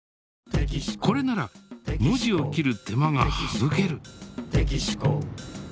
これなら文字を切る手間がはぶける。